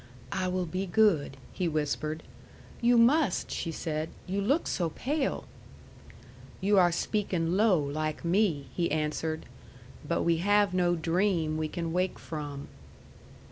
"I will be good," he whispered. "You must," she said. "You looked so pale!" "You are speakin' low like me," he answered. "But we have no dream we can wake from."